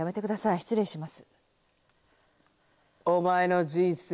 失礼します。